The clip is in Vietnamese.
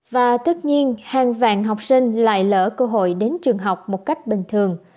và tất nhiên hàng vạn học sinh lại lỡ cơ hội đến trường học một cách bình thường